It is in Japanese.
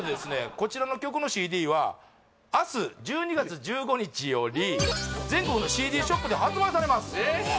こちらの曲のＣＤは明日１２月１５日より全国のＣＤショップで発売されますえっ！？